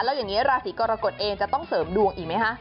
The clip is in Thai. แล้วอย่างนี้ราศีกรกฎเองจะต้องเสริมดวงอีกไหมคะ